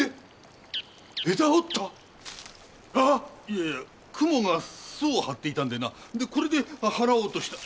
いやいやクモが巣を張っていたんでなでこれで払おうとして。